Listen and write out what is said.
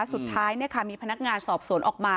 สุดท้ายมีพนักงานสอบสวนออกมา